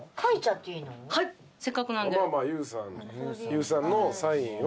ＹＯＵさんのサインを。